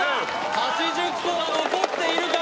８０個は残っているか？